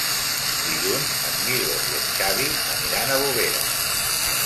Dilluns en Milos i en Xavi aniran a Bovera.